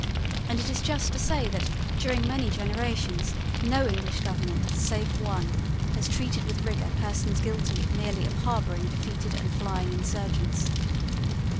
And it is just to say that, during many generations, no English government, save one, has treated with rigour persons guilty merely of harbouring defeated and flying insurgents.